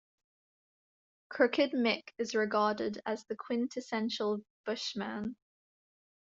Crooked Mick is regarded as the quintessential bushman.